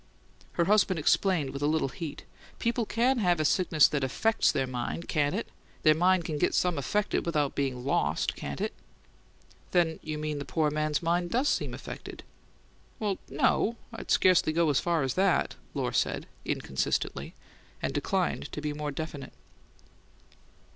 Her husband explained with a little heat: "People can have a sickness that AFFECTS their mind, can't they? Their mind can get some affected without bein' LOST, can't it?" "Then you mean the poor man's mind does seem affected?" "Why, no; I'd scarcely go as far as that," Lohr said, inconsistently, and declined to be more definite.